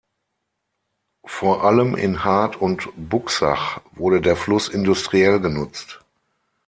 Vor allem in Hart und Buxach wurde der Fluss industriell genutzt.